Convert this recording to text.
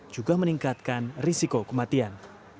juga meningkatkan risiko kematian